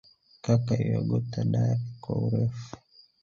Kaka yuagota dari kwa urefu